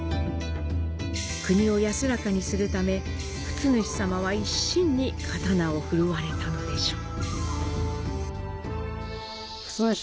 国を安らかにするため、フツヌシさまは一心に刀を振るわれたのでしょう。